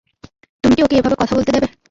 তুমি কি ওকে এভাবে কথা বলতে দেবে?